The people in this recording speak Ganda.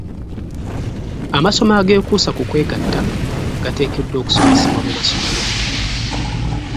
Amasomo ag'ekuusa ku kwegatta gateekeddwa okusomesebwa mu masomero.